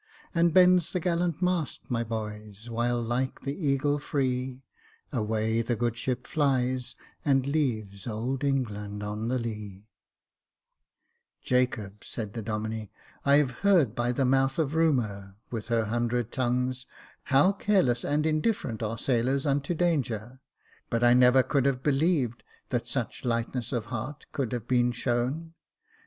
And bends the gallant mast, my boys, While, like the eagle free, Away the good ship flies, and leaves Old England on the lee," Jacob," said the Domine, " I have heard by the mouth of Rumour, with her hundred tongues, how careless and indifferent are sailors unto danger ; but I never could have believed that such lightness of heart could have been shown.